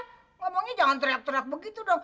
ngomongnya jangan teriak teriak begitu dong